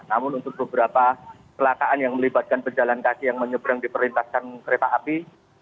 namun untuk beberapa kelakaan yang melibatkan perjalanan kaki yang menyebrang di perintahkan kereta api